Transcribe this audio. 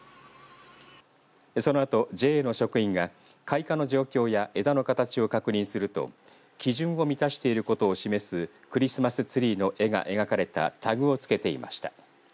そのあと、ＪＡの職員が開花の状況や枝の形を確認すると基準を満たしていることを示すクリスマスツリーの絵が描かれたタグをつけていました。